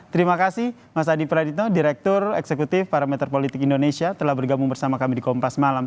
terima kasih mas adi praditno direktur eksekutif parameter politik indonesia telah bergabung bersama kami di kompas malam